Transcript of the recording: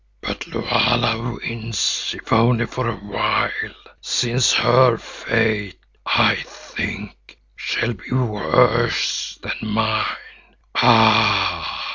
But Lulala wins if only for a while, since her fate, I think, shall be worse than mine. Ah!